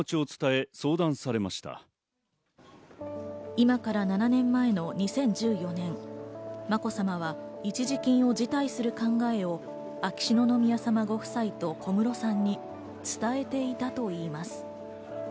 今から７年前の２０１４年、まこさまは一時金を辞退する考えを秋篠宮様ご夫妻と小室さんに伝えていたといいます。